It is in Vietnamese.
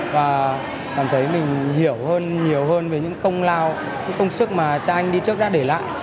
và cảm thấy mình hiểu hơn nhiều hơn về những công lao những công sức mà cha anh đi trước đã để lại